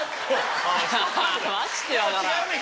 マジで分からん。